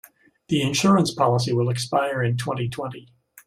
The insurance policy will expire in twenty-twenty.